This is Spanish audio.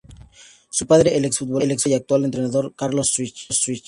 Su padre es el ex- futbolista y actual entrenador Carlos Ischia.